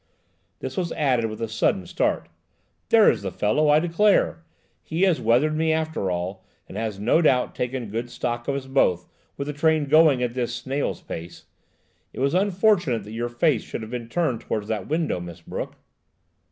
this was added with a sudden start, "there is the fellow, I declare; he has weathered me after all, and has no doubt taken good stock of us both, with the train going at this snail's pace. It was unfortunate that your face should have been turned towards that window, Miss Brooke."